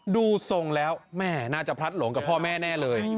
ดูทรงแล้วแม่น่าจะพลัดหลงกับพ่อแม่แน่เลย